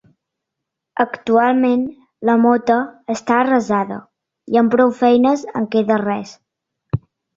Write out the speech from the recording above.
Actualment, la mota està arrasada, i amb prou feines en queda res.